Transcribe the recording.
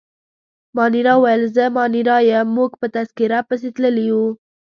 مانیرا وویل: زه مانیرا یم، موږ په تذکیره پسې تللي وو.